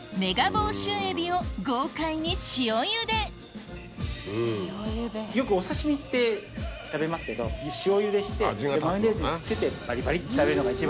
房州海老を豪快に塩ゆでよくお刺し身で食べますけど塩ゆでしてマヨネーズにつけてバリバリって食べるのが一番おいしい。